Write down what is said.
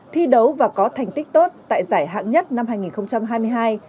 thi đấu và có thành tích tốt tại giải hạng nhất năm hai nghìn hai mươi hai